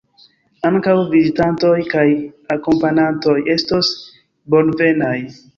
Ankaŭ vizitantoj kaj akompanantoj estos bonvenaj.